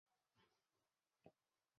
假通草是五加科罗伞属的植物。